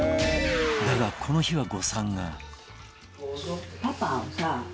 だがこの日は誤算が